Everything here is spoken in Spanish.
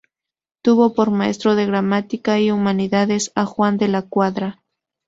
Tuvo por maestro de gramática y humanidades a Juan de la Cuadra.